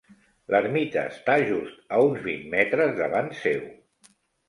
L'ermita està just a uns vint metres davant seu.